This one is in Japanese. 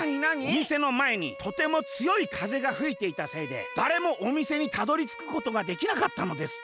「おみせのまえにとてもつよいかぜがふいていたせいでだれもおみせにたどりつくことができなかったのです。